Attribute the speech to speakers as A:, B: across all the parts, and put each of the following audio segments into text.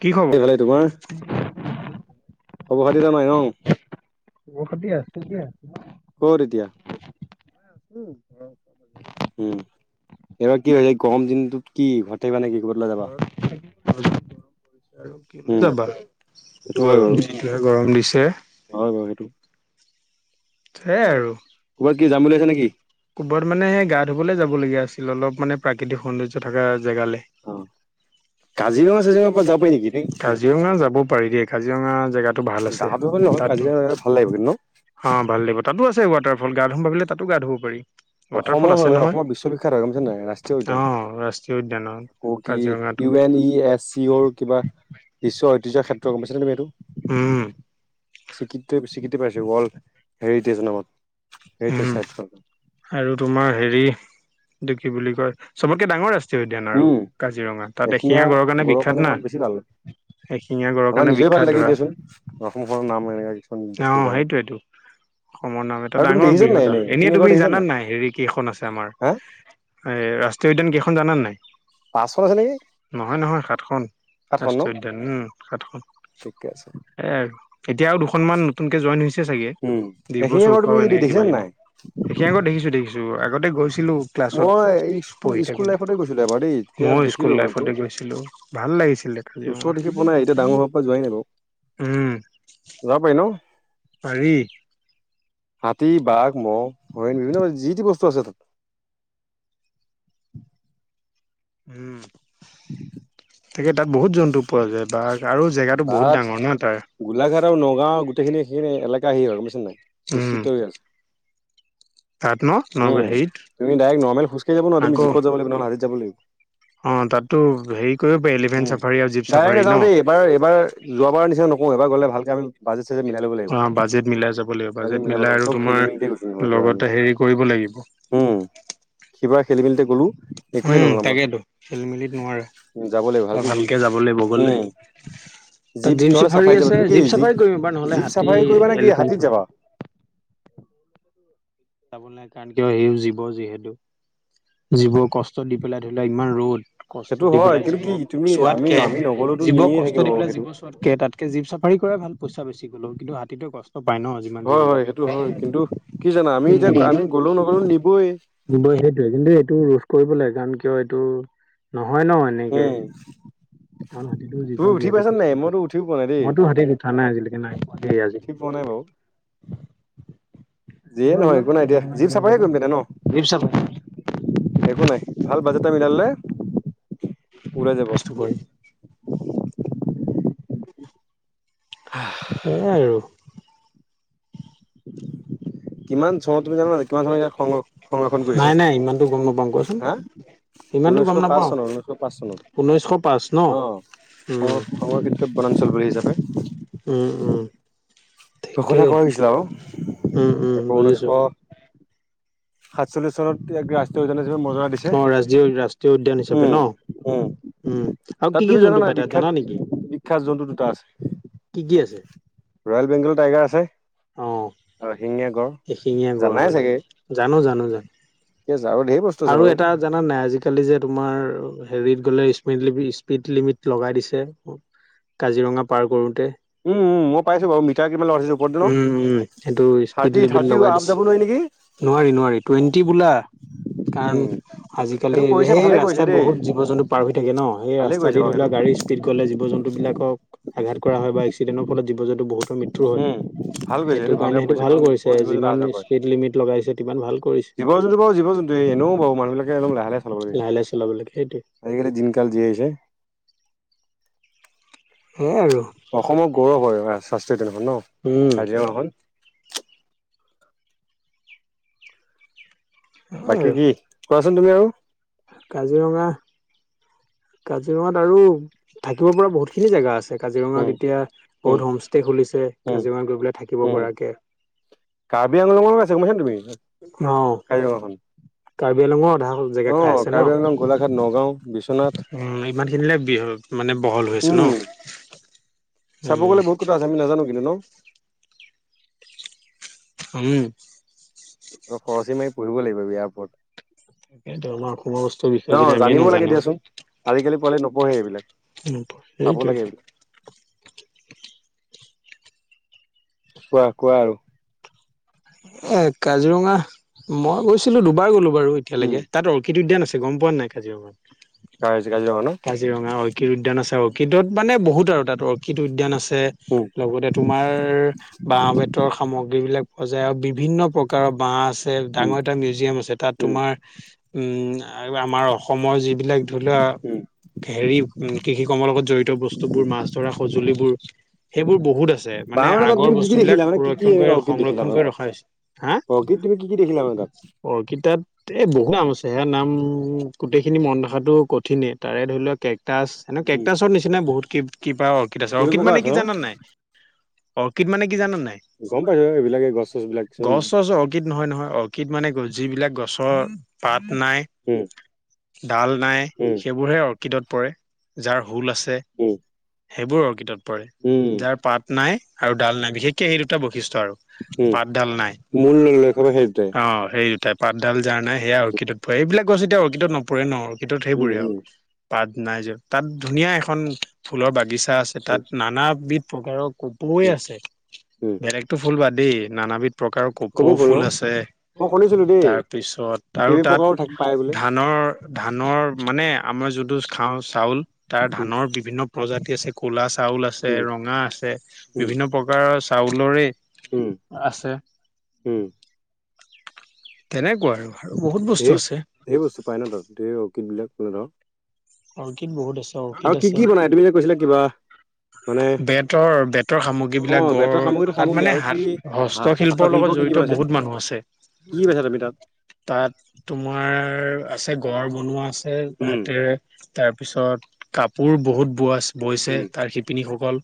A: কি খবৰ?
B: সফালে তোমাৰ খবসা এতা নাই ন
A: খবৰ খাতি আছো দিয়া।
B: কত তেতিয়া উ উম এইবাৰ কি হৈছে গৰম দিনটোত কি ঘট মানে কি কৰিব যাবা
A: আৰু ক
B: উম
A: যাবা
B: সেইটো হয় বাৰু
A: যিটোহে গৰম দিছে
B: হয় বাৰু সেইটো
A: সেইয়াই আৰু তম কি যাম বুলিছ নেকি ক'ৰবাত মানে সেই গা ধুবলৈ যাবলগীয়া আছিল অলপ মানে প্ৰাকৃতিক সৌন্দৰ্য থকা জেগালৈ
B: অ
A: কাজিৰঙা
B: চাজিৰঙাৰ পৰা যাব পাৰি নেকি
A: যাব পাৰি দ কাজিৰঙা জেগাত ত ভাল আছে
B: গাঁৱতো হ'ল নহয়
A: তাতো
B: কাজিৰঙা ভাল লাগিব কিন্তু ন
A: অঁ ভাল দিব তাতো আছে ৱাটাৰফল গা ধুমাবিল তাতো গা ধুব পাৰি
B: অসমৰ
A: ৱাটাৰফল আছে
B: হয়
A: নহয়
B: অসমৰ বিশ্ববিখ্যাত হয় গম পাইছা নাই
A: অ ৰাষ্ট্ৰীয় উদ্যানত
B: অ কি
A: কাজিৰঙাটো
B: U N E S C O কিবা বিশ্ব ঐতিহ্যৰ ক্ষেত্ৰ গম পাইছাে তুমি এইটো
A: উম
B: স্বীকৃতি স্বীকৃতি পাইছে ৱৰ্ল্ড হেৰিটেজ নামত হেৰিটেজ
A: উম
B: চাইট
A: আৰু তোমাৰ হেৰি দুখি বুলি কয় চবতকে ডাঙৰ ৰাস্তা জয় উদ্যান আৰু
B: উম
A: কাজিৰঙা। তাত এশিঙীয়া গঁড়ৰ কাৰণে বিখ্যাত না। এশিঙীয়া গঁড়ৰ
B: আমাৰ
A: কাৰণে
B: নিজৰে ভাল
A: বিখ্যাত
B: লাগে
A: ধৰা,
B: দিয়াচোন অসমখনৰ নাম এনেকা কিছুমান বস্তুৰ
A: অ',
B: কাৰণে
A: সেইটোয়েইটো। অসমৰ নাম এটা এটা
B: আৰু তুমি
A: ডাঙৰ
B: দেখিছা নাই
A: বৃহদা, এনেই
B: এশিঙীয়া গড়
A: তুমি
B: দেখিছা
A: জানা নাই হেৰি কেইখন আছে আমাৰ
B: হা
A: এ ৰাষ্ট্ৰীয় উদ্যান কেইখন জানা নাই?
B: পাঁচখন আছে নেকি
A: নহয় নহয় সাতখন।
B: সাতখন ন
A: ৰাষ্ট্ৰীয় উদ্যান উম, সাতখন।
B: ঠিকে আছে
A: এ এতিয়াও দুখনমান নতুনকে জইন হৈছে চাগে,
B: উম এশিঙীয়া
A: ডিব্ৰুচৌক
B: গড় তুমি
A: অ', এনেকে কিবা
B: দেখিছা
A: কিবি।
B: নাই
A: এশিঙীয়া গঁড় দেখিছোঁ দেখিছোঁ আগতে গৈছোঁ ছিলো ক্লাছত
B: মই স্কুল
A: পঢ়ি
B: স্কুল
A: থাকোতে,
B: লাইফতে গৈছিলো এবাৰ দেই তেতিয়া
A: ময়ো স্কুল
B: দেখিলো ভালকে
A: লাইফতে গৈছিলোঁ। ভাল লাগিছিলে খালি
B: ওচৰত
A: মই,
B: দেখি পোৱা নাই এতিয়া ডাঙৰ হোৱাৰ পৰা যোৱাই নাই বাৰু
A: উম।
B: যাব পাৰি ন?
A: পাৰি।
B: হাতী, বাঘ, মহ, হৰিণ বিভিন্ন ধৰণৰ যি তি বস্তু আছে তাত।
A: উম।
B: [unintelligible]
A: তাকে তাত বহুত জন্তু পোৱা যায় বাঘ আৰু জেগাতো বহুত
B: তাত
A: ডাঙৰ ন তাৰ।
B: সেইখিন এলেকা হেই হয় বুইছ নাই?
A: উম
B: বিস্তৃত হৈ আছে।
A: তাত ন ন
B: উম,
A: হেৰিত
B: তুমি ডাইৰেক্ট নৰ্মেল খোজকাঢ়ি যাব নোৱাৰা তুমি
A: আকৌ
B: জীপত যাব লাগিব নহলে হাতীত যাব লাগিব।
A: অ', তাত তো হেৰি কৰিব পাৰি এলিফেণ্ট
B: উম
A: চাফাৰী আৰু জীপ
B: ডাইৰেক্ট
A: চাফাৰী ন?
B: নাযাওঁ দেই এইবাৰ এইবাৰ যোৱাবাৰ নিচিনা নকওঁ এইবাৰ গ'লে ভালকে আমি বাজেট চাজেট মিলাই ল'ব লাগিব
A: অ', বাজেট মিলাই যাব লাগিব বাজেট
B: মিলাব
A: মিলাই
B: লাগিব
A: আৰু
B: চব খেলি
A: তোমাৰ
B: মেলিতে গৈছো নহ'লে কিবা
A: লগত
B: আমি
A: তে হেৰি কৰিব লাগিব
B: উম সিবাৰ খেলি মেলিতে গ'লো একোৱে
A: উম,
B: নহ'ল আমাৰ
A: তাকেটো খেলিমেলি দি
B: উম, যাব লাগিব
A: তোমাৰ
B: গৈ
A: ভালকে যাব লাগিব গ'লে।
B: উম
A: তাত জীপ
B: নহ'লে
A: চাফাৰী
B: যাবা
A: আছে
B: তুমি কি
A: জীপ চাফাৰী কৰিবি বা ন'হলে
B: জীপ
A: হাতী
B: চাফাৰী কৰিবা নে কি
A: এলিফেন।
B: হাতীত যাবা [unintelligible]
A: যাবলে নাই কাৰণ কিয় এই জীৱ যিহেতু। জীৱ কষ্ট দি পেলাই ধৰি লোৱা ইমান ৰ'দ।
B: সেইটো
A: কষ্ট দি
B: হয়
A: পেলাই
B: কিন্তু
A: জীৱ
B: কি তুমি আমি
A: চোৱাতকে,
B: আমি নগ'লেতো নিয়ে
A: জীৱক
B: থাকিব
A: কষ্ট দি পেলাই
B: সেইটো
A: জীৱ চোৱাতকে তাতকে জীপ চাফাৰী কৰাই ভাল পইছী বেছি গ'লও কিন্তু আ অ', পাই ন যিমান যি
B: হয়
A: হলেও
B: হয় সেইটো হয় কিন্তু কি জানা আমি এতিয়া আমি গ'লেও নগ'লেও নিবই
A: [inaudible] সেইটোয়ে কিন্তু এইটো ৰোধ কৰিব লাগে। গান কিয় এইটো নহয় ন এনেকে
B: উম
A: হাতীটো জীৱ
B: তুমি উঠি
A: যিহেতু
B: পাইছা নাই মইতো উঠিও পোৱা নাই দেই
A: মইতো হাতীত উঠা নাই আজিলৈকে নাই আজি
B: [unintelligible] যিয়ে
A: এইবাৰ
B: নহয়
A: ওলাবা
B: একো নাই এতিয়া
A: কাজিৰঙা
B: জীপ
A: যোৱা
B: চাফাৰ
A: যদি
B: কৰিম তেতিয়া ন?
A: জীপ চাফাৰী
B: একো নাই। ভাল বাজেটা মিলালে, ওলাই যাব।
A: সেইয়াই আৰু।
B: [inaudible] কিমান চনত তুমি জানা নাই কিমান চনত ইয়াক সংৰক্ষণ
A: নাই
B: কৰিছে
A: নাই ইমানতো গম নাপাওঁ কোৱাচোন
B: হা?
A: ইমানতো
B: ঊনৈশ
A: গম
B: পাঁচ
A: নাপাওঁ
B: চনত ঊনৈশ পাঁচ চনত,
A: ঊনৈছশ পাঁচ ন
B: অ'। সং
A: উম
B: সংৰক্ষিত্ৰ বনাঞ্চল বুলি হিচাপে [inaudible]
A: উম উম
B: ঘোষণা
A: ঠিকেই
B: কৰা হৈছিল আৰু
A: উম উম
B: এশ ঊনৈশ
A: বুজিছো
B: সাতচল্লিশ চনত ইয়াক ৰাষ্ট্ৰীয় উদ্যান হিচাপে মৰ্যাদা দিছে,
A: অ ৰাষ্ট্ৰীয় ৰাষ্ট্ৰীয় উদ্যান হিচাপে ন
B: উম। উম।
A: উম, আৰু
B: তাত
A: কি
B: তুমি
A: কি
B: জানা
A: জন্তু
B: নাই
A: পাই ত
B: বিখ্যাত
A: জানা নেকি?
B: বিখ্যাত জন্তু দুটা আছে।
A: কি কি আছে?
B: ৰয়েল বেংগলৰ টাইগাৰ আছে।
A: অঁ
B: আৰু শিঙীয়া গড়
A: এশিঙীয়া গড়
B: জানাই
A: মানে
B: চাগে
A: জানোঁ জানোঁ জানোঁ
B: আৰু ঢেৰ বস্তু আছে
A: আৰু
B: বাৰু
A: এটা জানানে নাই আজিকালি যে তোমাৰ হেৰিত গ'লে স্পিড লি স্পিড লিমিট লগাই দিছে কাজিৰঙা পাৰ কৰোতে
B: উম মই পাইছো বাৰু মিটাৰ কিমান লগাইছে ওপৰত ন
A: উম উম সেইটো স্পীড
B: থাৰ্টি
A: লিমিট
B: থাৰ্টি
A: লগাই
B: আপ
A: দিছে
B: যাব নোৱাৰি নেকি
A: নোৱাৰি নোৱাৰি টুৱেণ্টি বোলা
B: [unintelligible]
A: কাৰণ আজিকালি
B: সেইটো
A: সেই
B: কৰিছে ভালে কৰিছে
A: ৰাস্তাত
B: দেই
A: বহুত জীৱ জন্তু পাৰ হৈ থাকে ন সেই
B: ভালে
A: ৰাস্তা
B: কৰিছে
A: দি
B: বাৰু
A: ধৰি
B: সেইটো
A: লোৱা গাড়ী স্পীড গ'লে জীৱ জন্তু বিলাকক আঘাত কৰা হয় বা এক্সিডেন্টৰ ফলত জীৱ জন্তু বহুতৰ মৃত্যু হয়
B: উম ভাল কৰিছে
A: সেইটো
B: কাম
A: কাৰণে সেইটো ভাল
B: কাৰণ
A: কৰিছে
B: বহুত জীৱ জন্তু অহা
A: যিমান
B: যোৱা কৰে
A: স্পীড লিমিট লগাইছে িমান ভাল কৰিছে
B: এনেওাব মানুহিলে একদম লাহে লাহে চলাব লাগে
A: লাহে চলাব লাগে সেইটোৱে
B: আজিকালি দিনকাল যি আহিছে অসমৰ
A: স
B: গৌৰৱ হয় শাস্ত্ৰীয় উদ্যানখন ন
A: আৰু
B: কাজিৰঙা খন
A: উম হয়
B: বাকী কি
A: আৰু
B: কোৱাচোন তুমি আৰু
A: কাজিৰঙা কাজিৰঙাত আৰু থাকিব পৰা বহুত খিনি জেগা আছে
B: উম
A: কাজিৰঙাত এতিয়া
B: উম
A: বহুত হোম ষ্টে খুলিছে
B: উম
A: কাজিৰঙাত গৈ পেলাই থাকিব
B: উম
A: পৰাক
B: কাৰ্বি আংলঙৰো আছে গম পাইছা নে তুমি
A: অ
B: কাজিৰঙাখন
A: আৰু বেলঙৰ অধা জেগা
B: অ
A: খাই আছে ন
B: কাৰ্বি আংলং গোলাঘাট নগাঁও বিশ্বনাথ
A: উ ইমান খিনিলে বিহ মানে বহল হৈ আছে ন
B: [unintelligible] চাব গ'লে বহুত কথা আছে আমি নাজানো কিন্তু
A: উম উম
B: খৰচী মাৰি পঢ়িব লাগিব বিয়াৰ ওপৰত
A: তাকেইো আমাৰ সময় বস্তুৰ বিষয়ে
B: অ
A: যদি আমি
B: জানিব লাগে
A: নাজানো উ
B: দিয়াচোন আজিকালি পোৱালি নপঢ়ে এইবিলাক চাব
A: সেইটোৱে
B: লাগে [inaudible]
A: প
B: কোৱা কোৱা
A: এ
B: আৰু
A: কাজিৰঙা মই গৈছিলো দুবাৰ গ'লো বাৰু
B: উম
A: এতিয়ালৈকে তাত অৰ্কিড উদ্যান আছিল গম পোৱা নাই কাজিৰঙাত
B: কাজ কাজিৰঙা ন
A: কাজিৰঙা ঐক উদ্যান আছে অৰ্কিডত মানে বহুত আৰু তাত অৰ্কিড উদ্যান আছে
B: উম
A: লগতে তোমাৰ বাঁাহ বেতৰ সামগ্ৰী বিলাক পোৱা যায় আৰু বিভিন্ন প্ৰকাৰৰ বাঁাহ আছে আ
B: উম
A: ডাঙৰ এটা মিউজিয়াম আছে তাত
B: উম
A: তোমাৰ উম আৰু আমাৰ অসমৰ যিবিলাক ধৰি লোৱা
B: উম
A: হেৰি কৃষি কৰ্মৰ লগত জড়িত বস্তুবোৰ
B: উম
A: মাছ ধৰা সঁজুলিবোৰ সেইবোৰ বহুত আছে মানে
B: বাহ
A: আগ
B: তাত তুমি কি
A: বস্তু
B: কি
A: বিিলাক
B: দেখিলা মানে কি কি
A: সংুৰক্ষ কৰি
B: এনেকুৱা অৰ্কিড দেখিলা
A: সংৰক্ষণ
B: মানে
A: কৰি
B: তাত
A: ৰখা হৈছে হা
B: অৰ্কিড তুমি কি কি দেখিলা মানে তাত
A: অৰ্কিডত এ বহুত নাম আছে সেয়া নাম গোটেইখিনি মন ৰখাতটো কঠিনে তাৰে ধৰি লোৱা কে কেটাচ
B: উম
A: কেকটাচৰ নিচিনা বহুত কিবা অৰ্কিড আছে অৰ্কিড
B: কেনেকুৱা
A: মানে
B: আছে
A: কি
B: ন
A: জানা নাই অৰ্কিড মানে কি জানো নাই
B: গম পাইছো এইবিলাকে গছ চছ বিলাক কিছুমান
A: গছ চছ অৰ্কিড নহয় নহয় অৰ্কিড মানে যিবিলাক গছৰ পাত নাই
B: উম
A: ডাল নাই,
B: উম
A: সেইবোৰহে অৰ্কিডত পৰে, যাৰ হোল আছে
B: উম
A: সেইবোৰ অৰ্কিডত পৰে।
B: উম
A: পৰে যাৰ পাত নাই আৰু ডাল নাই বিশেষকে সেই দুটা বৈশিষ্টয় আৰু
B: উম
A: পাতডাল নাই
B: মূল লক্ষ্য সেই দুটাই
A: অ সেই দুটাই পাতডাল যাৰ নাই সেয়া অৰ্কিডত পৰে এইবিলাক গছ্ত এতিয়া অৰ্কিডত নপৰে ন অৰ্কিডত
B: উম
A: সেইবোৰে আৰু
B: উম
A: পাত নাই য তাত ধুনীয়া এখন ফুলৰ বাগিছা আছে তাত
B: উম
A: নানাবিধ প্ৰকাৰৰ পৈ
B: উম
A: আছে
B: উম
A: বেলেগতটো ফুল বাা দেই নানাবিধ প্ৰকাৰৰ
B: ক'ব
A: কপৌ
B: ভুল
A: ফুল
B: ন
A: আছে
B: মই শুনিছিলো দেই
A: তাৰপিছত আৰু
B: কেইবি
A: তাত
B: প্ৰকাৰৰ থাক পাই বোলে
A: ধানৰ ধানৰ মানে আমাৰ যোনটো খাওঁ চাউল তাৰ
B: উম
A: ধানৰ বিভিন্ন প্ৰজাতি আছে ক'লা চাউল আছে
B: উম
A: ৰঙা আছে
B: উম
A: বিভিন্ন প্ৰকাৰৰ চাউলৰে
B: উম
A: আছে
B: উম
A: তেনেকুৱা আৰু আৰু বহুত বস্তু আছে
B: ধেৰ-ধেৰ বস্তু পাই ন' তাত ধেৰ অৰ্কিডবিলাক কোনো ধৰক
A: অৰ্কিড বহুত আছে। অৰ্কিড
B: আৰু কি
A: আছে
B: কি বনাই তুমি যে কৈছিলা কিবা? মানে
A: বেতৰ, বেতৰ
B: অ
A: সামগ্ৰীবিলাক
B: বেতৰ
A: গড়
B: সামগ্ৰীটো
A: তাত
B: সামগ্ৰী
A: মানে
B: আৰু কি
A: হাত
B: হা হাতৰ
A: হস্তশিল্পৰ
B: শিল্প
A: লগত
B: কি কি
A: জড়িত
B: বনাইছে
A: বহুত মানুহ আছে।
B: কি পাইছা তুমি তাত?
A: তাত তোমাৰ আছে গড় বনোৱা আছে
B: উম
A: হাতেৰে, তাৰপিছত কাপোৰ বহুত বোৱা আছে। বৈছে
B: উম
A: তাৰ শিপিনীসকল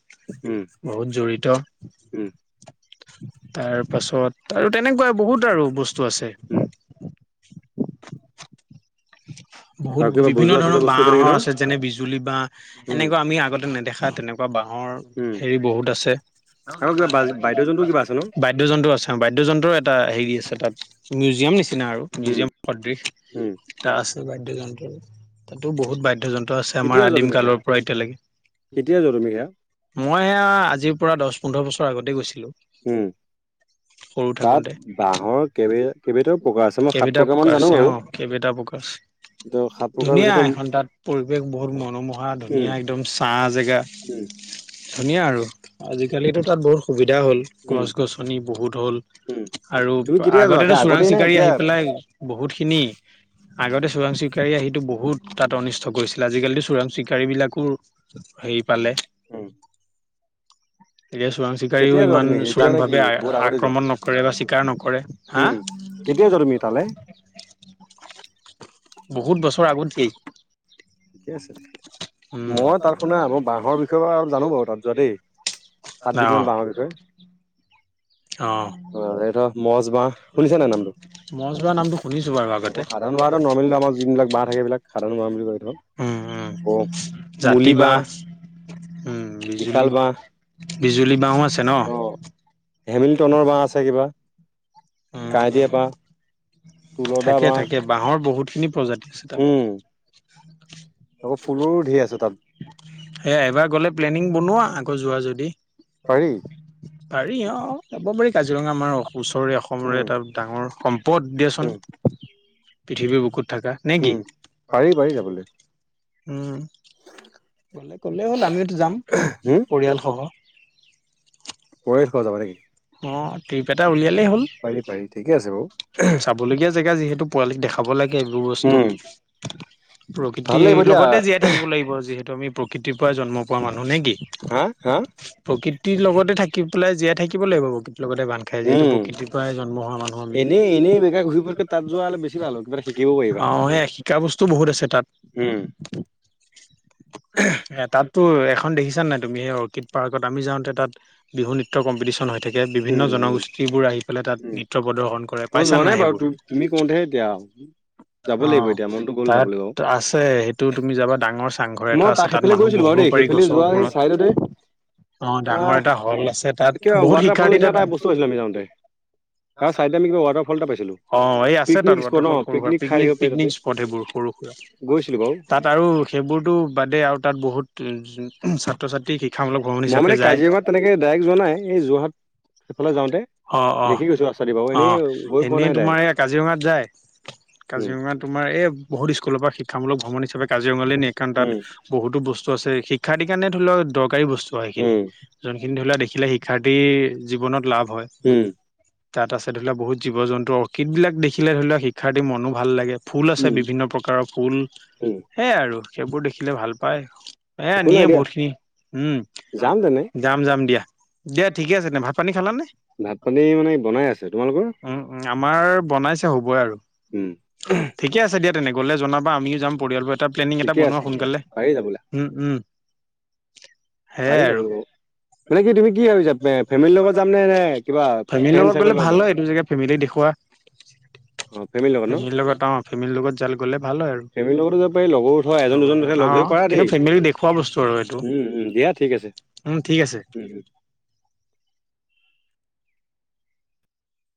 B: উম
A: বহুত জড়িত।
B: উম
A: তাৰপাছত আৰু তেনেকুৱা বহুত আৰু বস্তু আছে।
B: উম
A: বহুত
B: আৰু কিবা
A: বিভিন্ন
B: বজোৱা চজোৱা
A: ধৰণৰ
B: বস্তু নেকি
A: বাহঁৰ
B: ন
A: আছে যেনে বিজুলী বাঁহ
B: উম
A: এনেকুৱা আমি আগতে নেদেখা নেদেখা তেনেকুৱা বাঁহৰ
B: উম
A: হেৰি বহুত আছে।
B: আৰু কিবা বা বাদ্যযন্ত্ৰ কিবা আছে ন
A: [inaudible] বাদ্যযন্ত্ৰ আছে বাদ্যযন্ত্ৰৰ এটা হেৰি আছে। তাত মিউজিয়াম নিচিনা আৰু
B: উম
A: মিউজিয়াম সদৃশ।
B: উম
A: এটা আছে বাদ্যযন্ত্ৰ তাতো বহুত বাদ্যযন্ত্ৰ। [inaudible] আছে আমাৰ
B: কেতিয়া যোৱা
A: আদিম
B: তুমি সেয়া
A: কালৰ পৰা এতিয়ালৈকে,
B: কেতিয়া যোৱা তুমি সেয়া
A: মই সেয়া আজি পৰা দহ পোন্ধৰ বছৰ আগতে গৈছিলোঁ।
B: উম।
A: থাকোতে
B: তাত বাঁহৰ কেইবিধ, কেইবিধও প্ৰকাৰ আছে মই সাত প্ৰকাৰ মান জানোঁ বাৰু।
A: কেবেটা প্ৰকাচ।
B: ত' সাত প্ৰকাৰৰ
A: ধুনীয়া
B: ভিতৰতো
A: এখন তাত পৰিৱেশ বহুত মনোমোহা
B: উম
A: ধুনীয়া একদম ছা জেগা।
B: উম
A: ধুনীয়া আৰু আজিকালিটো তাত বহুত সুবিধা হ'ল
B: উম
A: গছ-গছনি বহুত হ'ল।
B: উম
A: আৰু
B: তুমি কেতিয়া যোৱা
A: আগতেটো
B: সেই
A: চোৰাং
B: আগতেই নে
A: চিকাৰী
B: এতিয়া
A: আহি পেলাই বহুতখিনি আগতে চোৰাং চিকাৰী আহিটো বহুত বহুত তাত অনিষ্ট কৰিছিলে, আজিকালি চোৰাং চিকাৰীবিলাকো হেৰি পালে।
B: উম।
A: এতিয়া চোৰাং চিকাৰীও
B: কেতিয়া যোৱা
A: ইমান
B: তুমি এতিয়া
A: চোৰাং
B: নে কি
A: ভাৱে
B: বহুত আগতে যোৱা
A: আক্ৰমণ নকৰে বা চিকাৰ নকৰে, হা?
B: উম কেতিয়া যোৱা তুমি তালে
A: [unintelligible] বহুত বছৰ আগতেই।
B: ঠিকে আছে, ঠিকে আছে
A: উম
B: মই তাত শুনা মই বাঁহৰ বিষয়ে অলপ জানোঁ বাৰু তাত যোৱা দেই।
A: অ
B: সাতবিধ মান বাঁহৰ বিষয়ে।
A: অ
B: অহ, এইটো মছ বাঁহ, শুনিছানে নাই নামটো?
A: মছ বাহ নামটো শুনিছো বাৰু
B: আকৌ
A: আগতে
B: সাধাৰণ বাঁহ নৰ্মেলি আমাৰ যোনবিলাক বাঁহ থাকে এইবিলাক সাধাৰণ বাঁহ বুলি কয় এইটো
A: উম', উম'
B: আকৌ
A: জাতি বাঁহ। উম' বিজুলী,
B: বিশাল বাঁহ
A: বিজুলী বাঁহো আছে ন'?
B: হেমিলটনৰ বাঁহ আছে কিবা,
A: উম উম
B: কাইটিয়া বাঁহ। তুলদা
A: থাকে,
B: বাঁহ
A: থাকে। বাঁহৰ বহুতখিনি প্ৰজাতি আছে তাৰ।
B: উম আকৌ ফুলৰো ঢেৰ আছে তাত
A: [unintelligible] এ এবাৰ গ'লে প্লেনিং বনোৱা। আকৌ যোৱা যদি।
B: পাৰি।
A: পাৰি অহ, যাব পাৰি কাজিৰঙা আমাৰ ওচৰৰে অসমৰে
B: উম
A: এটা ডাঙৰ সম্পদ
B: উম
A: দিয়াচোন। পৃথিৱীৰ বুকুত থাকা নে কি?
B: উম পাৰি পাৰি যাবলৈ
A: উম, গ'লে হ'ল আমিওটো যাম
B: হম
A: পৰিয়ালসহ।
B: [unintelligible] যাবা নেকি?
A: অহ, ট্ৰিপ এটা উলিয়ালেই হ'ল,
B: পাৰি পাৰি ঠিকে আছে বাৰু
A: চাবলগীয়া জেগা যিহেতু পোৱালিক দেখাব লাগে। এইবোৰ বস্তু,
B: উম ভাল
A: প্ৰকৃতিৰ
B: লাগিব দিয়া
A: লগতে জীয়াই থাকিব লাগিব যিহেতু আমি প্ৰকৃতিৰ পৰা জন্ম পোৱা মানুহ নে কি?
B: হা হা
A: প্ৰকৃতিৰ লগতে থাকি পেলাই জীয়াই থাকি থাকিব লাগিব লগতে বান্ধ খাই যিহেতু
B: উম
A: প্ৰকৃতিৰ পৰাই জন্ম হোৱা মানুহ আমি।
B: এনেই এনেই বেকাৰ ঘূৰি ফুৰাতকৈ তাত যোৱা হ'লে বেছি ভাল হ'ব কিবা এটা শিকিব
A: [unintelligible] অ', এইয়া শিকা বস্তু বহুত আছে তাত।
B: উম্।
A: এতাতটো দেখিছা নাই তুমি এই অৰ্কিড পাৰ্কত আমি যাওঁতে তাত বিহু নৃত্য কম্পিটিচন হৈ থাকে। যে বিভিন্ন
B: উম উম
A: জনগোষ্ঠীবোৰ আহি পেলাই তাত
B: উম
A: নৃত্য প্ৰদৰ্শন কৰে,
B: মই যোৱা
A: পাইছান নাই
B: বাৰু
A: সেইবোৰ?
B: তু- তুমি কওঁতেহে এতিয়া যাব লাগিব
A: অ',
B: এতিয়া মনতো গ'ল
A: তাত
B: যাবলৈ বাৰু।
A: আছে সেইটো তুমি যাবা ডাঙৰ চাংঘৰ এটা
B: মই
A: আছে,
B: তাৰ
A: তাত
B: সেইফালে
A: মানুহ
B: গৈছিলোঁ বাৰু
A: বহিব
B: দেই
A: পাৰি
B: সেইফালে
A: গছৰ
B: যোৱা সেই
A: ওপৰত।
B: চাইডতে
A: অ', ডাঙৰ এটা হ'ল আছে তাত
B: কিয়
A: বহুত
B: ৱাটাৰফল
A: শিক্ষাৰ্থী
B: নিচিনা
A: তাত
B: এটা বস্তু আছিলে, আমি যাওঁতে তাৰ ছাইডে আমি কিবা ৱাটাৰফল এটা পাইছিলোঁ।
A: অ' এই আছে
B: পিকনিক
A: তাত
B: স্পট অ
A: ৱাটাৰফল, সৰু সুৰা
B: খাই
A: পিকনিক
B: থাকিব পাৰি তাতে
A: পিকনিক স্পট সেইবোৰ সৰু সুৰা
B: গৈছিলোঁ বাৰু।
A: তাত আৰু সেইবোৰতো বাদে আৰু তাত বহুত ছাত্ৰ ছাত্ৰী শিক্ষ
B: মই মানে কাজিৰঙাত তেনেকে ডাইৰেক্ট যোৱা নাই, এই যোৰহাট সেইফালে যাওঁতে
A: অ অ
B: দেখি গৈছো ৰাস্তা বাৰু এনেই
A: অ'
B: গৈ পোৱা
A: এনেই
B: নাই
A: তোমাৰ
B: ডাইৰেক্ট
A: এই কাজিৰঙাত যায়।
B: উম
A: কাজিৰঙা তোমাৰ এই বহুত স্কুলৰ পৰা শিক্ষামূলক ভ্ৰমণ হিচাপে কাজিৰঙালৈ নিয়ে, কাৰণ তাত
B: উম
A: বহুতো বস্তু আছে শিক্ষাৰ্থীৰ কাৰণে ধৰি লওক দৰকাৰী বস্তু। চোৱা সেইখিনি,
B: উম
A: যোনখিনি ধৰি লোৱা দেখিলে শিক্ষাৰ্থীৰ জীৱনত লাভ হয়।
B: উম
A: তাত আছে, ধৰি লোৱা বহুত জীৱ জন্তু অৰ্কিড বিলাক দেখিলে ধৰি লোৱা শিক্ষাৰ্থীৰ মনো ভাল লাগে। ফুল আছে,
B: উম
A: বিভিন্ন প্ৰকাৰৰ ফুল
B: উম।
A: সেয়াই আৰু সেইবোৰ দেখিলে ভাল পায়। এ
B: একো
A: নিয়ে
B: নাই দিয়া
A: বহুত খিনি, উম্,
B: যাম তেনে
A: যাম যাম দিয়া। দিয়া দিয়া ঠিকে আছে তেন্তে ভাত পানী মানে,
B: ভাত পানী মানে বনাই আছে তোমালোকৰ
A: উম্ উম্ আমাৰ বনাইছে হ'বই আৰু
B: উম
A: ঠিকে আছে দিয়া, তেনেহ'লে জনাবা আমিও যাম পৰিয়ালবোৰে এটা প্লেনিং এটা
B: ঠিকে
A: বনোৱা
B: আছে ঠিকে আছে
A: সোনকালে,
B: পাৰি যাবলৈ
A: উম্ উম্।
B: পাৰি
A: সেয়াই আৰু।
B: যাবলৈ বাৰু মানে কি তুমি কি ভাবিছা ফেমিলিৰ লগত যাম নে নে কিবা
A: ফেমিলিৰ
B: ফ্ৰেণ্ড
A: লগত
B: চাৰ্কলৰ
A: গ'লে ভাল
B: যাবা
A: হয়, এইটো জেগা ফেমিলি দেখুওৱা।
B: অ'ফেমিলিৰ লগত ন,
A: ফেমিলিৰ অ ফেমিলিৰ লগত জাল গ'লে ভাল হয় আৰু
B: ফেমিলিৰ লগতো যাব পাৰি লগৰো ধৰা এজন
A: লগৰ
B: দুজনহে
A: অ
B: লগ ধৰি পাৰা
A: কিন্তু
B: দেই,
A: ফেমিলি দেখুওৱা বস্তু আৰু এইটো
B: উম্ উম্ দিয়া। ঠিক আছে
A: উম ঠিক আছে
B: উম্।